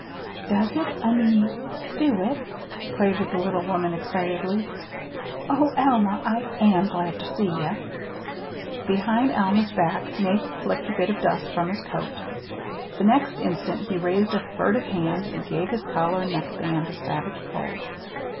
"Does it I mean, do it?" quavered the little woman excitedly. "Oh, Alma, I am glad ter see ye!" Behind Alma's back Nathan flicked a bit of dust from his coat. The next instant he raised a furtive hand and gave his collar and neckband a savage pull.